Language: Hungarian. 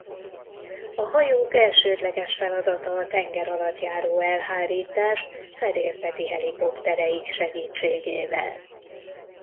A hajók elsődleges feladata a tengeralattjáró-elhárítás fedélzeti helikoptereik segítségével.